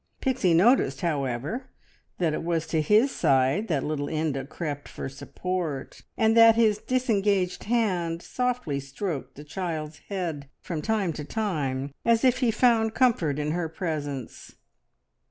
Pixie noticed, however, that it was to his side that little Inda crept for support, and that his disengaged hand softly stroked the child's head from time to time, as if he found comfort in her presence.